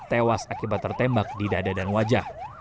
tewas akibat tertembak di dada dan wajah